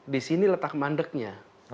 di sini letak mandeknya